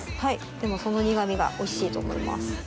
でもその苦味がおいしいと思います。